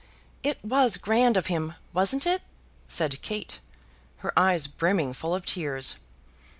"It was grand of him, wasn't it?" said Kate, her eyes brimming full of tears.